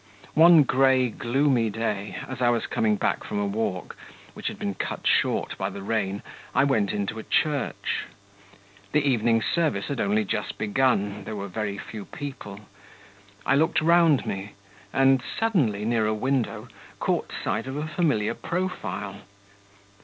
One grey, gloomy day, as I was coming back from a walk, which had been cut short by the rain, I went into a church. The evening service had only just begun, there were very few people; I looked round me, and suddenly, near a window, caught sight of a familiar profile.